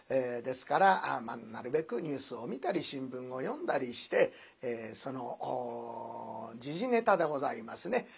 ですからなるべくニュースを見たり新聞を読んだりしてその時事ネタでございますね。